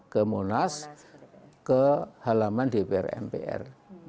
ke monas ke halaman dpr mpr